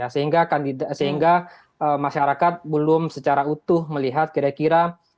sehingga masyarakat belum secara utuh melihat kira kira